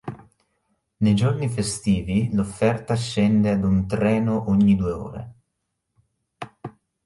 Nei giorni festivi l'offerta scende ad un treno ogni due ore.